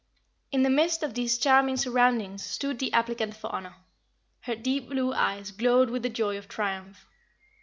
In the midst of these charming surroundings stood the applicant for honor. Her deep blue eyes glowed with the joy of triumph.